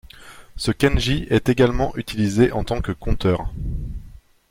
Ce kanji est également utilisé en tant que compteur.